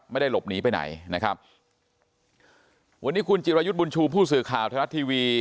ไม่ได้หลบหนีไปไหนนะครับวันนี้คุณจิรายุทธ์บุญชูผู้สื่อข่าวไทยรัฐทีวี